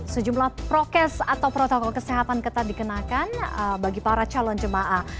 sejumlah prokes atau protokol kesehatan ketat dikenakan bagi para calon jemaah